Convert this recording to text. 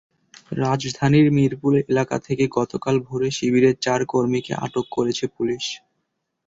রাজধানীর মিরপুর এলাকা থেকে গতকাল ভোরে শিবিরের চার কর্মীকে আটক করেছে পুলিশ।